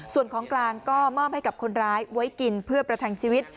ส่วนของกลางก็มอบให้กับคนร้ายไว้กินเพื่อประทังชีวิต